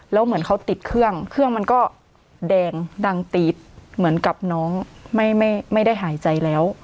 แล้วเหมือนเขาติดเครื่องเครื่องมันก็แดงดังตี๊ดเหมือนกับน้องไม่ได้หายใจแล้ว